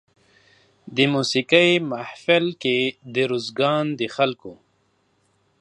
د موسېقۍ محفل کې د روزګان د خلکو